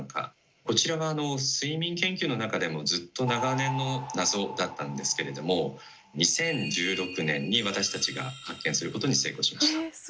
こちらは睡眠研究の中でもずっと長年の謎だったんですけれども２０１６年に私たちが発見することに成功しました。